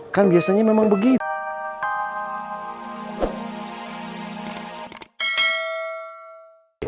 kan biasanya memang begitu